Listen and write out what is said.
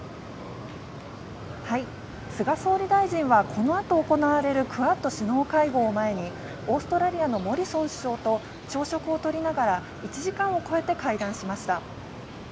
菅総理大臣はこのあと行われるクアッド首脳会合を前にオーストラリアのモリソン首相と朝食をとりながら１時間を超えて会談しました。